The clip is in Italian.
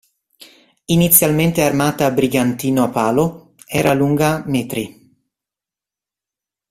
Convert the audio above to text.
Inizialmente armata a brigantino a palo, era lunga mt.